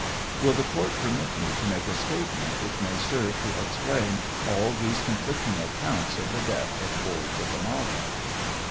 Will the court permit me to make a statement which may serve to explain all these conflicting accounts of the death of poor " Ohickamauga